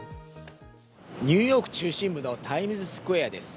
ニューヨーク中心部のタイムズスクエアです。